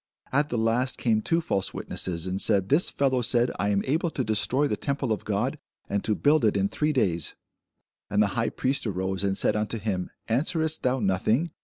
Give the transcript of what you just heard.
At the last came two false witnesses, and said, This fellow said, I am able to destroy the temple of God, and to build it in three days. And the high priest arose, and said unto him, Answerest thou nothing?